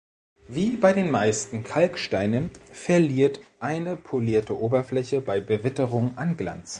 Wie bei den meisten Kalksteinen verliert eine polierte Oberfläche bei Bewitterung an Glanz.